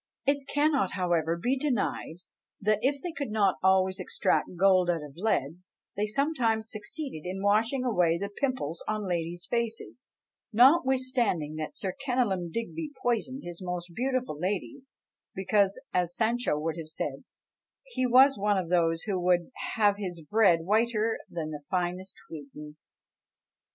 It cannot, however, be denied, that if they could not always extract gold out of lead, they sometimes succeeded in washing away the pimples on ladies' faces, notwithstanding that Sir Kenelm Digby poisoned his most beautiful lady, because, as Sancho would have said, he was one of those who would "have his bread whiter than the finest wheaten."